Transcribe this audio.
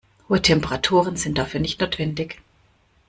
Hohe Temperaturen sind dafür nicht notwendig.